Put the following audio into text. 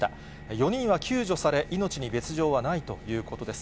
４人は救助され、命に別状はないということです。